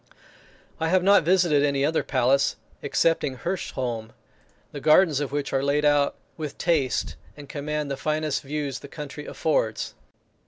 I have not visited any other palace, excepting Hirsholm, the gardens of which are laid out with taste, and command the finest views the country affords.